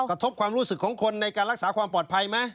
กระทบความรู้สึกของคนในการรักษาความปลอดภัยไหม